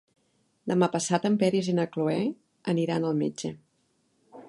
Demà passat en Peris i na Cloè aniran al metge.